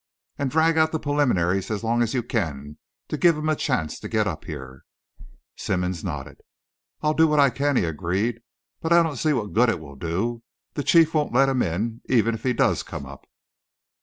And drag out the preliminaries as long as you can, to give him a chance to get up here." Simmonds nodded. "I'll do what I can," he agreed, "but I don't see what good it will do. The chief won't let him in, even if he does come up."